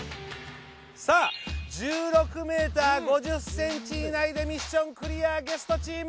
さあ１６ｍ５０ｃｍ以内でミッションクリアゲストチーム！